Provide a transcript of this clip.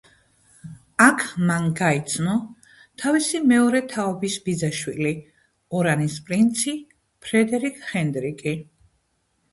აქ მან გაიცნო თავისი მეორე თაობის ბიძაშვილი, ორანის პრინცი ფრედერიკ ჰენდრიკი.